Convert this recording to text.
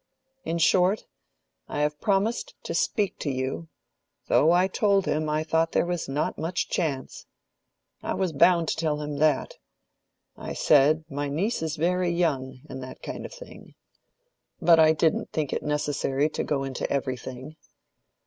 In short, I have promised to speak to you, though I told him I thought there was not much chance. I was bound to tell him that. I said, my niece is very young, and that kind of thing. But I didn't think it necessary to go into everything.